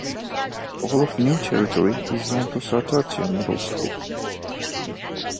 All of New Territory is zoned to Sartartia Middle School.